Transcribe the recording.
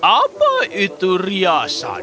apa itu riasan